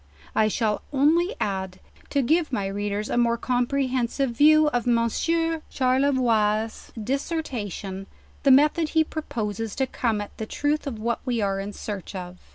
I shall only add, to give my readers a more comprehensive view of Monsieur Charle voix's dissertation, the methed he proposes to come at the trath of what we are in search of.